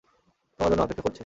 তোমার জন্য অপেক্ষা করছে।